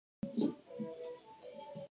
د سر د سپږو لپاره د څه شي اوبه وکاروم؟